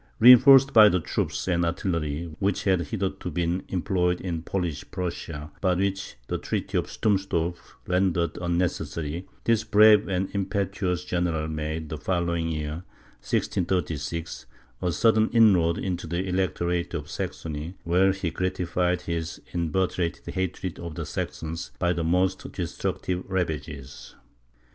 Reinforced by the troops and artillery, which had hitherto been employed in Polish Prussia, but which the treaty of Stummsdorf rendered unnecessary, this brave and impetuous general made, the following year (1636), a sudden inroad into the Electorate of Saxony, where he gratified his inveterate hatred of the Saxons by the most destructive ravages.